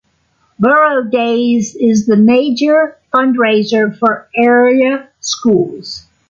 Burro Days is the major fundraiser for area schools.